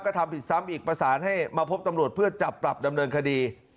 ก็ทำผิดซ้ำอีกประสานให้มาพบตำรวจเพื่อจับปรับดำเนินคดี